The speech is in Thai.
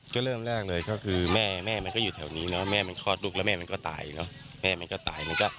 ก็เริ่มแรกเลยก็คือแม่แม่มันก็อยู่แถวนี้เนอะแม่มันคลอดลูกแล้วแม่มันก็ตายเนอะ